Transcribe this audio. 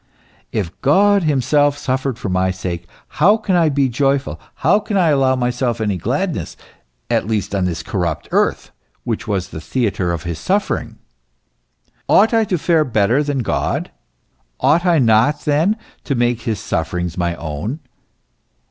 If God himself suffered for my sake, how can I be joyful, how can I allow myself any gladness, at least on this corrupt earth, which was the theatre of his suffer ing ?* Ought I to fare better than God ? Ought I not, then, to make his sufferings my own